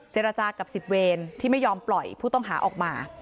เจรจากับสิบเวรที่ไม่ยอมปล่อยผู้ต้องหาออกมา